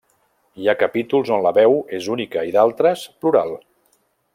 Hi ha capítols on la veu és única i d'altres, plural.